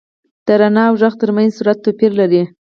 • د رڼا او ږغ تر منځ سرعت توپیر لري.